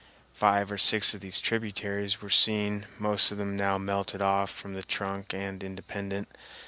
Five or six of these tributaries were seen, most of them now melted off from the trunk and independent.